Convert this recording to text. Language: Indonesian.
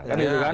kan gitu kan